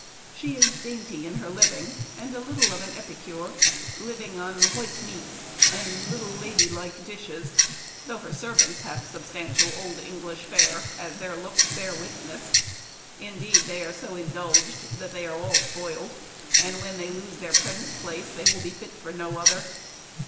She is dainty in her living, and a little of an epicure, living on white meats, and little lady like dishes, though her servants have substantial old English fare, as their looks bear witness. Indeed, they are so indulged, that they are all spoiled, and when they lose their present place they will be fit for no other.